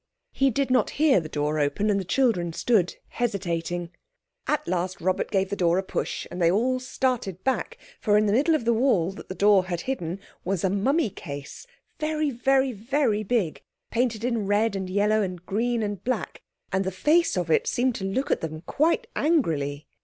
He did not hear the door open, and the children stood hesitating. At last Robert gave the door a push, and they all started back, for in the middle of the wall that the door had hidden was a mummy case—very, very, very big—painted in red and yellow and green and black, and the face of it seemed to look at them quite angrily.